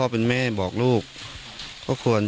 การแก้เคล็ดบางอย่างแค่นั้นเอง